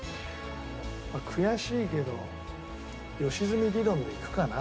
まあ悔しいけど良純理論でいくかな。